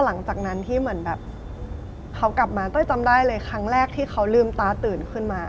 หลังจากนั้นเขากลับมาต้อยจำได้เลยครั้งแรกที่เขาลืมตาตื่นขึ้นมา